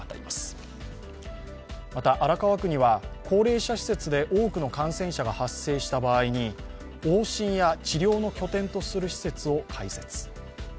また荒川区には高齢者施設で多くの感染者が発生した場合に往診や治療の拠点とする施設を開設。